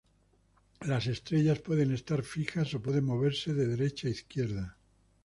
Las estrellas pueden estar fijas o pueden moverse de derecha a izquierda.